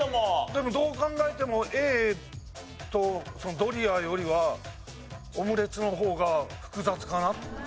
どう考えてもＡとドリアよりはオムレツの方が複雑かなと。